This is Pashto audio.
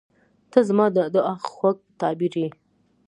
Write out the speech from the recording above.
• ته زما د دعا خوږ تعبیر یې.